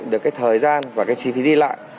được thời gian và chi phí đi lại